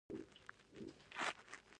ایا ستاسو طبیعت به خوندي وي؟